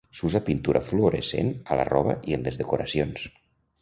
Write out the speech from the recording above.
S'usa pintura fluorescent a la roba i en les decoracions.